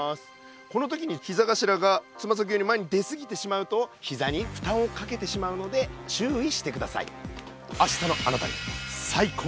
この時にひざがしらがつまさきより前にですぎてしまうとひざにふたんをかけてしまうので注意してください。